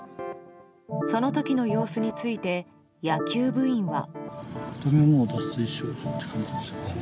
その時の様子について野球部員は。